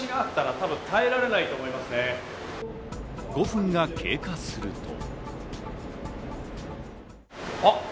５分が経過すると。